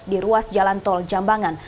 di ruas jalan tol jambangan